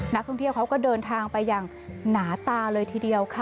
นักท่องเที่ยวเขาก็เดินทางไปอย่างหนาตาเลยทีเดียวค่ะ